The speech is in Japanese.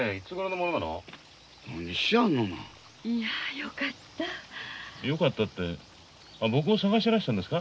よかったってあ僕を捜してらしたんですか？